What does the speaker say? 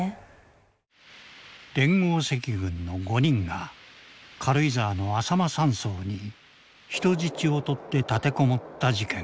連合赤軍の５人が軽井沢のあさま山荘に人質をとって立てこもった事件。